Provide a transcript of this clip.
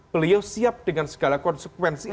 beliau siap dengan segala konsekuensi